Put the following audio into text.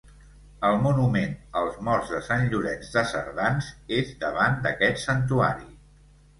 El monument als morts de Sant Llorenç de Cerdans és davant d'aquest santuari.